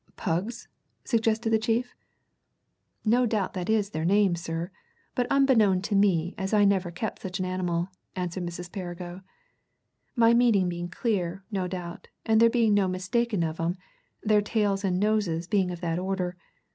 "Pugs?" suggested the chief. "No doubt that is their name, sir, but unbeknown to me as I never kept such an animal," answered Mrs. Perrigo. "My meaning being clear, no doubt, and there being no mistaking of 'em their tails and noses being of that order.